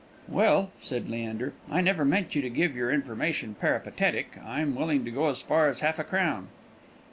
"Well," said Leander, "I never meant you to give your information peripatetic; I'm willing to go as far as half a crown."